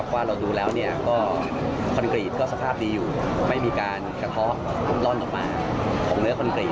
ว่านี่คอนกรีดก็สภาพดีอยู่ไม่มีการมีการคธอร่อนของเนื้อคอนกรีด